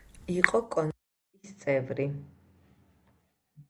იყო კონვენტის წევრი.